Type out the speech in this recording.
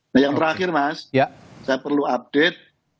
nah yang terakhir mas saya perlu update